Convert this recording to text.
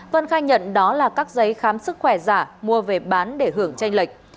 vân khai nhận đó là các giấy khám sức khỏe giả mua về bán để hưởng tranh lệch